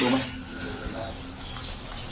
รู้ไหม